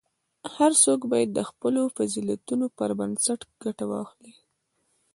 هر څوک باید د خپلو فضیلتونو پر بنسټ ګټه واخلي.